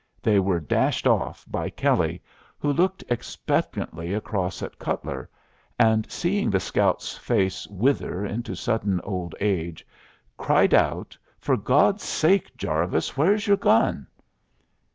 They were dashed off by Kelley, who looked expectantly across at Cutler, and seeing the scout's face wither into sudden old age, cried out, "For God's sake, Jarvis, where's your gun?"